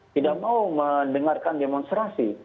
tidak mau mendengarkan demonstrasi